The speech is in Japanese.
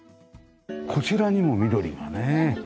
こちらにも緑がね。